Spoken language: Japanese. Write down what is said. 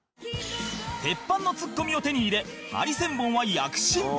鉄板のツッコミを手に入れハリセンボンは躍進